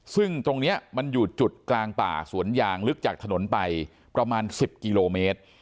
ซึ่งตรงนี้มันอยู่จุดกลางป่าสวนยางลึกจากถนนไปประมาณ๑๐กิโลเมตร